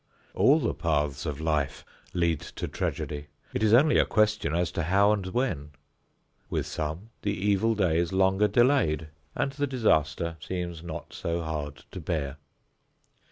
All the paths of life lead to tragedy; it is only a question as to how and when. With some, the evil day is longer delayed and the disaster seems not so hard to bear.